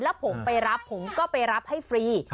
แล้วผมไปรับผมก็ไปรับให้ฟรี